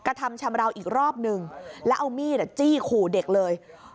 กระทำชำราวอีกรอบนึงแล้วเอามีดจี้ขู่เด็กเลย